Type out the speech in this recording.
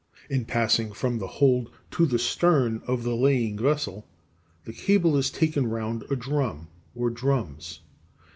In passing from the hold to the stern of the laying vessel, the cable is taken round a drum, or drums.